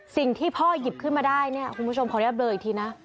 สิ่งที่พ่อหยิบขึ้นมาได้เนี่ยคุณผู้ชมขออนุญาตเบลออีกทีนะ